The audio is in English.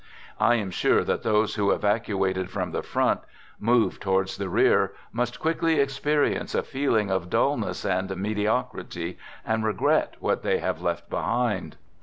I am sure that those who, evacu ated from the front, move towards the rear, must quickly experience a feeling of dullness and medi ocrity, and regret what they have left behind.